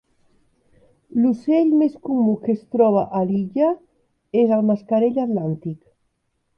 L'ocell més comú que es troba a l'illa és el mascarell atlàntic.